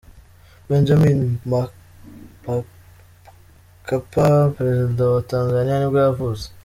Benjamin Mkapa, perezida wa wa Tanzania nibwo yavutse.